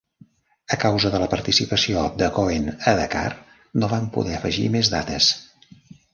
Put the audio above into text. A causa de la participació de Koen a Dakar, no van poder afegir més dates.